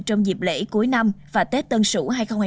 trong dịp lễ cuối năm và tết tân sỉu hai nghìn hai mươi một